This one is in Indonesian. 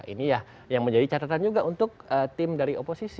ini ya yang menjadi catatan juga untuk tim dari oposisi